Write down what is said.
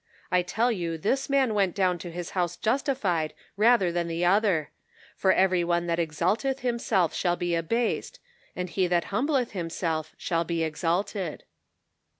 I tell you this man went down to his house justified rather than the other; for every one that exalteth himself shall be abased, and he that humbleth himself shall be exalted."